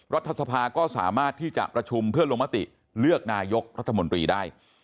รัฐสภาก็สามารถที่จะประชุมเพื่อลงมติเลือกนายกรัฐมนตรีได้